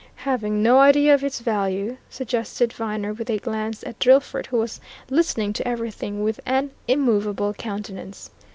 "Having no idea of its value," suggested Viner, with a glance at Drillford, who was listening to everything with an immovable countenance.